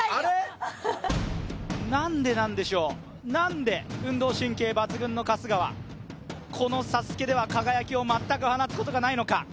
なんでなんでしょう、なんで運動神経抜群の春日はこのＳＡＳＵＫＥでは輝きを全く放つことがないのか。